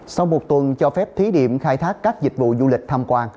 sau một tuần cho phép thí điểm khai thác các dịch vụ du lịch tham quan